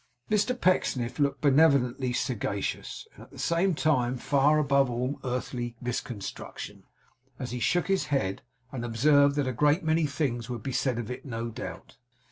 Mr Pecksniff looked benevolently sagacious, and at the same time far above all earthly misconstruction, as he shook his head, and observed that a great many things would be said of it, no doubt.